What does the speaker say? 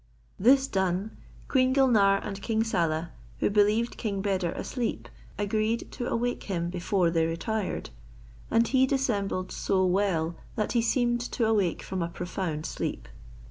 This done, Queen Gulnare and King Saleh, who believed King Beder asleep, agreed to awake him before they retired; and he dissembled so well that he seemed to awake from a profound sleep.